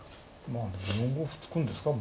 まあでも４五歩突くんですか。